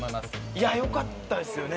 いやよかったですよね？